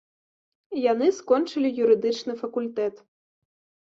Яны скончылі юрыдычны факультэт.